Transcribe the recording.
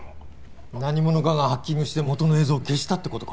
何者かがハッキングして元の映像を消したってことか？